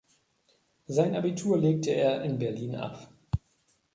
Sein Abitur legte er in Berlin ab.